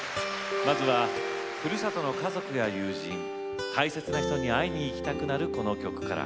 まずは、ふるさとの家族や友人大切な人に会いに行きたくなるこの曲から。